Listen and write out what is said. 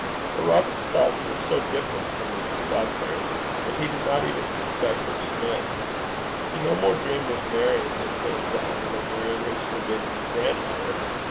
But Robert's thoughts were so different from Mrs. Falconer's that he did not even suspect what she meant. He no more dreamed of marrying Miss St. John than of marrying his forbidden grandmother.